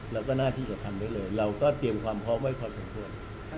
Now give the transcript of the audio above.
เราก็น่าที่จะทำได้เลยเราก็เตรียมความพร้อมไว้พอสมควร